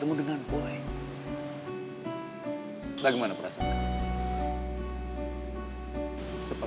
gue baik lo apa kabar